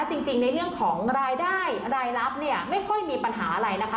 จริงในเรื่องของรายได้รายรับเนี่ยไม่ค่อยมีปัญหาอะไรนะคะ